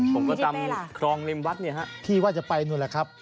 ผมก็ตามครองริมวัดที่ว่าจะไปนู่นแหละครับ